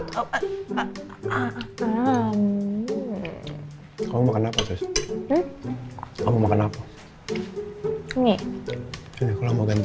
jatuh apa kamu makan island worth